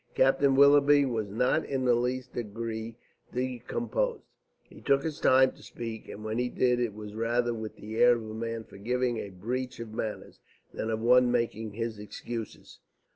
Captain Willoughby was not in the least degree discomposed. He took his time to speak, and when he did it was rather with the air of a man forgiving a breach of manners, than of one making his excuses.